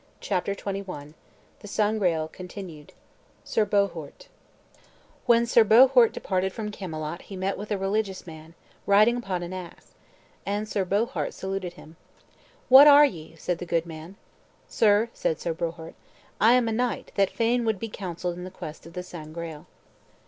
CHAPTER XXI THE SANGREAL (Continued) SIR BOHORT When Sir Boliort departed from Camelot he met with a religious man, riding upon an ass; and Sir Bohort saluted him. "What are ye?" said the good man. "Sir," said Sir Bohort, "I am a knight that fain would be counselled in the quest of the Sangreal."